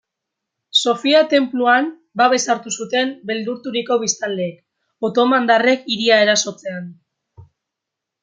Sofia tenpluan babes hartu zuten beldurturiko biztanleek, otomandarrek hiria erasotzean.